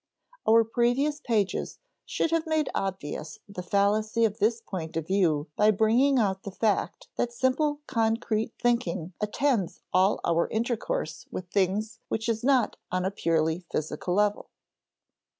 Our previous pages should have made obvious the fallacy of this point of view by bringing out the fact that simple concrete thinking attends all our intercourse with things which is not on a purely physical level.